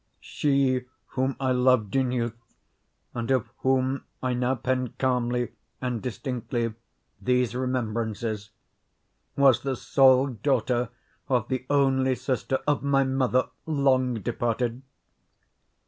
She whom I loved in youth, and of whom I now pen calmly and distinctly these remembrances, was the sole daughter of the only sister of my mother long departed.